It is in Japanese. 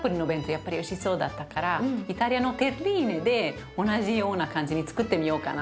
やっぱりおいしそうだったからイタリアのテッリーネで同じような感じにつくってみようかなと。